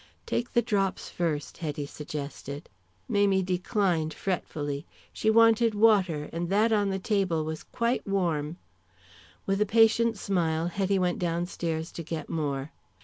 "Take the drops first," Hetty suggested. Mamie declined fretfully. She wanted water, and that on the table was quite warm. With a patient smile Hetty went downstairs to get more.